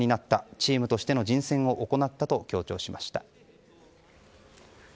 チームとしての人選を行ったと強調しました。